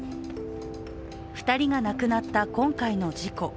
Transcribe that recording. ２人が亡くなった今回の事故。